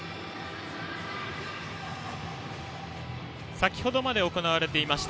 先程まで行われていました